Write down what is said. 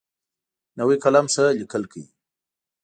نوی قلم ښه لیکل کوي